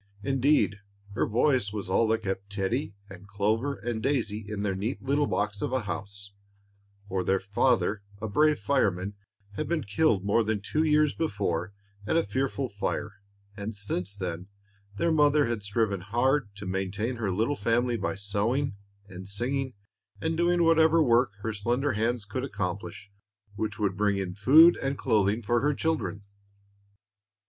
Indeed, her voice was all that kept Teddie and Clover and Daisy in their neat little box of a house, for their father, a brave fireman, had been killed more than two years before at a fearful fire, and since then their mother had striven hard to maintain her little family by sewing, and singing, and doing whatever work her slender hands could accomplish which would bring in food and clothing for her children.